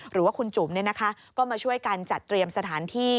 หรือว่าคุณจุ๋มก็มาช่วยกันจัดเตรียมสถานที่